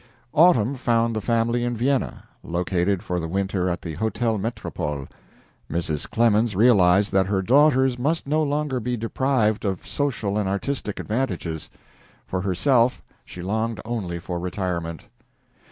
Autumn found the family in Vienna, located for the winter at the Hotel Metropole. Mrs. Clemens realized that her daughters must no longer be deprived of social and artistic advantages. For herself, she longed only for retirement.